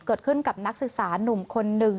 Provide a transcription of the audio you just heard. เกิดขึ้นกับนักศึกษานุ่มคนหนึ่ง